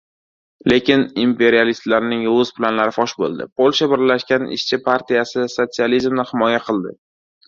Lekin imperialistlarning yovuz planlari fosh bo‘ldi. Polsha Birlashgan Ishchi partiyasi sotsializmni himoya qildi...